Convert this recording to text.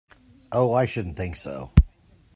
Oh, I shouldn't think so.